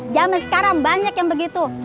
zaman sekarang banyak yang begitu